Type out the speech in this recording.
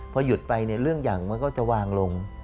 พอหยุดไปเรื่องอย่างมันก็จะวางลง